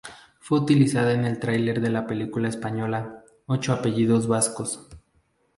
Fue utilizada en el tráiler de la película española "Ocho Apellidos Vascos".